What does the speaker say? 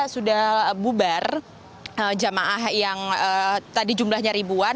sudah bubar jamaah yang tadi jumlahnya ribuan